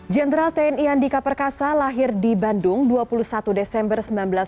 jenderal tni andika perkasa lahir di bandung dua puluh satu desember seribu sembilan ratus empat puluh